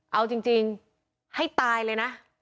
เอาจริงให้ตายเลยนะ